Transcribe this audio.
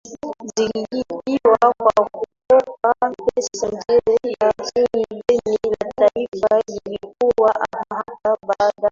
zililipiwa kwa kukopa pesa nje ya nchi Deni la taifa lilikua haraka Baada ya